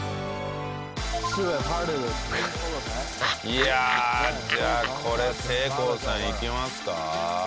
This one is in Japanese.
いやあじゃあこれせいこうさんいきますか？